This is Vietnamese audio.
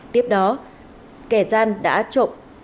tiếp đó kẻ gian đã trộm